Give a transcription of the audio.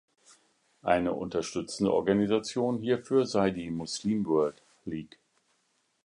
Eine unterstützende Organisation hierfür sei die Muslim World League.